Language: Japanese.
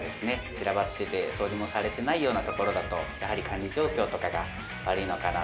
散らばってて掃除もされてないような所だとやはり管理状況とかが悪いのかなと。